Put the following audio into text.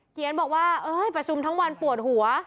เขียนบอกว่าเอ้ยประชุมทั้งวันปวดหัว